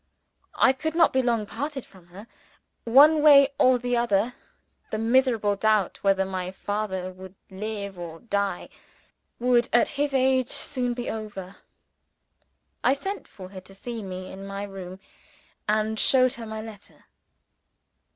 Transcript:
I could not be long parted from her. One way or the other, the miserable doubt whether my father would live or die, would, at his age, soon be over. I sent for her to see me in my room, and showed her my letter.